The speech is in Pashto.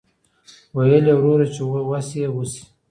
ویل یې وروره چې وسه یې وشي.